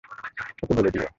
ওকে বলে দিও।